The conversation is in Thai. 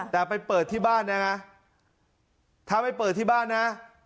แต่ไปเปิดที่บ้านเนี่ยนะถ้าไม่เปิดที่บ้านนะ